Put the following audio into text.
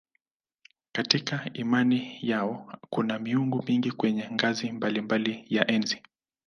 Katika imani yao kuna miungu mingi kwenye ngazi mbalimbali ya enzi.